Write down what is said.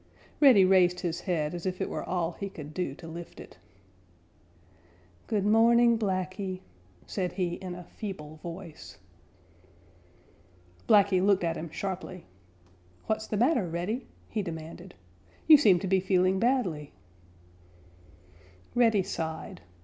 Reddy raised his head as if it were all he could do to lift it. "Good morning, Blacky," said he in a feeble voice. Blacky looked at him sharply. "What's the matter, Reddy?" he demanded. "You seem to be feeling badly." Reddy sighed.